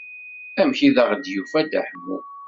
Amek ay aɣ-d-yufa Dda Ḥemmu?